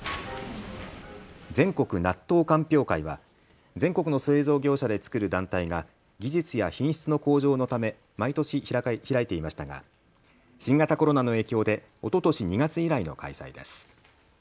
全国納豆鑑評会は全国の製造業者で作る団体が技術や品質の向上のため毎年、開いていましたが新型コロナの影響でおととし２月以来の開催です。